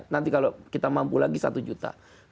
nanti kalau kita mampu lagi satu juta